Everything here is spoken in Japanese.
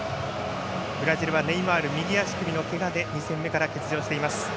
ブラジルはネイマール右足首のけがで２戦目から欠場しています。